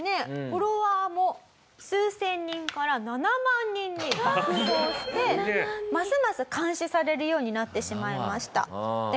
フォロワーも数千人から７万人に爆増してますます監視されるようになってしまいました。